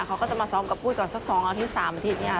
เขาก็จะมาซ้อมกับปุ้ยก่อนสัก๒๓ประเทศนี้